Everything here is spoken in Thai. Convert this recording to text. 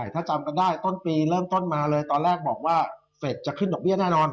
ถ้าจำกันได้ต้นปีเริ่มต้นมาเลยตอนแรกบอกว่าเฟสจะขึ้นดอกเบี้ยแน่นอน